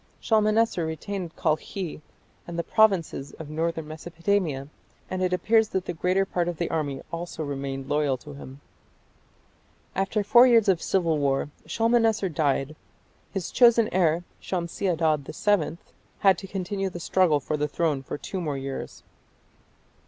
Shalmaneser retained Kalkhi and the provinces of northern Mesopotamia, and it appears that the greater part of the army also remained loyal to him. After four years of civil war Shalmaneser died. His chosen heir, Shamshi Adad VII, had to continue the struggle for the throne for two more years.